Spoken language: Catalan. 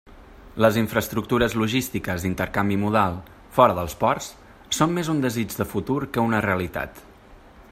Les infraestructures logístiques d'intercanvi modal, fora dels ports, són més un desig de futur que una realitat.